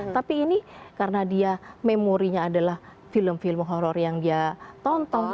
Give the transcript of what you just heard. tapi ini karena dia memorinya adalah film film horror yang dia tonton